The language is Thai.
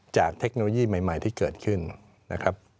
จากเทคโนโลยีใหม่ที่เกิดขึ้น